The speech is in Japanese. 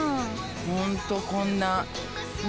ホントこんなね